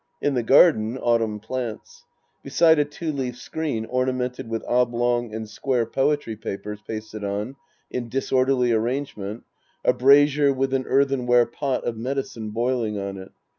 In the garden, autumn plants. Beside a two leaf screen ornamented with oblong and square poetry papers pasted on in disorderly arrangement, a brazier with an earthenware pot of medicine boiling on it.